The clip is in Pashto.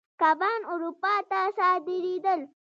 کبان اروپا ته صادرېدل.